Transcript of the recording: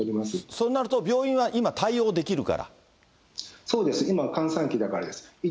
そうなると病院は今、対応でそうです、今、閑散期だからです。